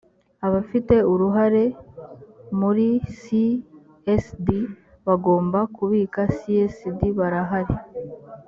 abafite uruhare muri csd bagomba kubika csd barahari